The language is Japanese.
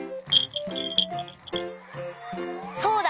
そうだ！